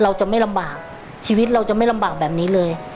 เราจะไม่ลำบากชีวิตเราจะไม่ลำบากแบบนี้เลย